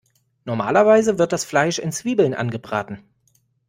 Normalerweise wird das Fleisch in Zwiebeln angebraten.